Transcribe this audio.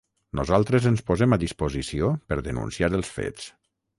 Nosaltres ens posem a disposició per denunciar els fets.